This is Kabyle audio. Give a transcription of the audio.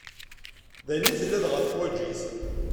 D ayen i tella dɣa teḥwaǧ-it.